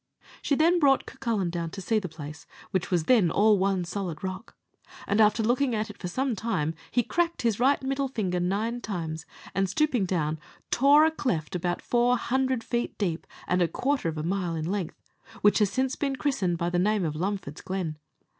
She then brought Cucullin down to see the place, which was then all one solid rock; and, after looking at it for some time, he cracked his right middle finger nine times, and, stooping down, tore a cleft about four hundred feet deep, and a quarter of a mile in length, which has since been christened by the name of Lumford's Glen.